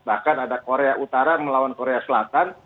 bahkan ada korea utara melawan korea selatan